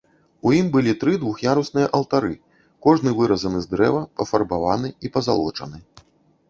У ім былі тры двух'ярусныя алтары, кожны выразаны з дрэва, пафарбаваны і пазалочаны.